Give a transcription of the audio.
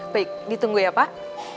baik ditunggu ya pak